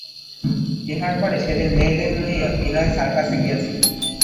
ইহার পরে সেদিন মেয়েদের লইয়া বিনয় সার্কাসে গিয়াছিল।